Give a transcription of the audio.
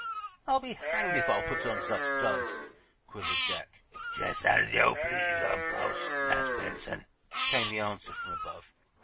"I'll be hanged if I'll put on such duds!" quivered Jack. "Jes' as yo' please, ob co'se, Marse Benson," came the answer, from above.